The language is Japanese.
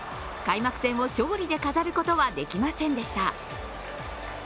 開幕戦を勝利で飾ることはできませんでした。